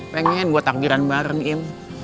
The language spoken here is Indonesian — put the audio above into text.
pengen gue takdiran bareng im